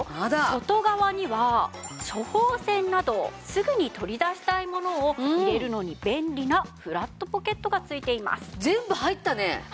外側には処方せんなどすぐに取り出したいものを入れるのに便利なフラットポケットが付いています。